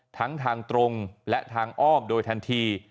ทั้งทางตรงและทางอ้อมโดยทันที